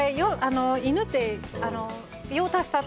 犬って、用を足した後、